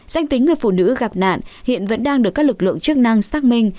danh tính người phụ nữ gặp nạn hiện vẫn đang được các lực lượng chức năng xác minh